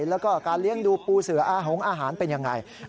แล้วก็การเลี้ยงดูปูเสืออาหงอาหารเป็นยังไง